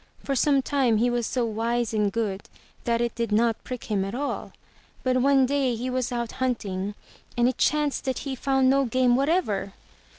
For some time he was so wise and good that it did not prick him at all. But one day he was out hunting and it chanced that he found no game what ever.